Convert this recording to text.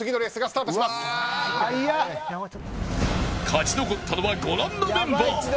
間もなく勝ち残ったのはご覧のメンバー。